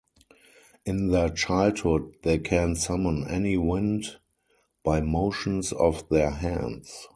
In their childhood they can summon any wind by motions of their hands.